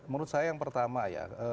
menurut saya yang pertama ya